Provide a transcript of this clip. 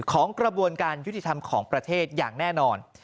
ของกระบวนการยุติธรรมของประเทศอย่างแน่นอน